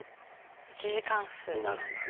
１次関数。になるんだね。